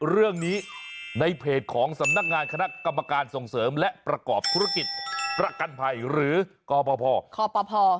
เรื่องนี้ในเครื่องของสำนักงานคณะกำมากการส่งเสริมและประกอบธุรกิจประกันไพรหรือกบปพ